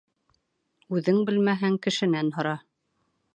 Үҙең белмәһәң, кешенән һора.